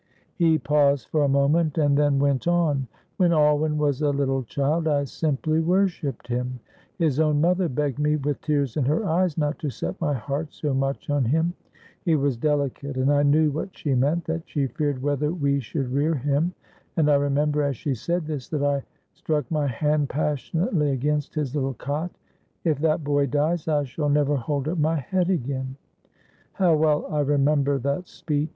He paused for a moment and then went on: "When Alwyn was a little child, I simply worshipped him; his own mother begged me with tears in her eyes not to set my heart so much on him. He was delicate, and I knew what she meant, that she feared whether we should rear him; and I remember, as she said this, that I struck my hand passionately against his little cot, 'if that boy dies I shall never hold up my head again;' how well I remember that speech.